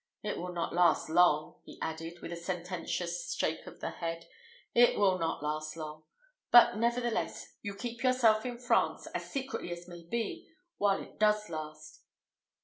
It will not last long," he added, with a sententious shake of the head: "it will not last long. But, nevertheless, you keep yourself in France, as secretly as may be, while it does last."